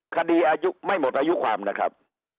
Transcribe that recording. อายุไม่หมดอายุความนะครับ